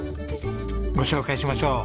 ご紹介しましょう。